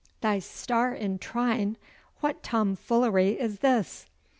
Thy star in trine! What tomfoolery is this?